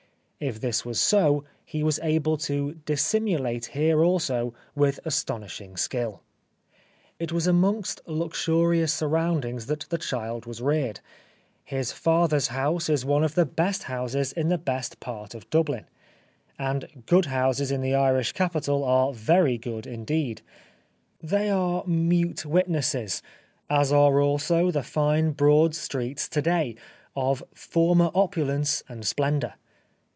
If this was so he was able to dissimulate here also with astonishing skill. It was amongst luxurious surroundings that the child was reared. His father's house is one of the best houses in the best part of Dublin — 86 The Life of Oscar Wilde and good houses in the Irish capital are very good indeed. They are mute witnesses, as are also the fine broad streets to day, of former opulence and splendour.